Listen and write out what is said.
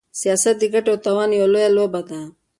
سياست د ګټې او تاوان يوه لويه لوبه ده.